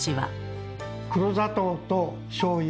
黒砂糖としょうゆ